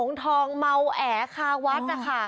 ฮงทองเมาแอขาวัด